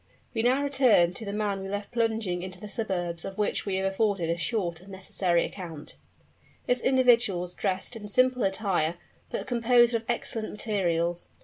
We now return to the man we left plunging into the suburbs of which we have afforded a short and necessary account. This individual was dressed in simple attire, but composed of excellent materials.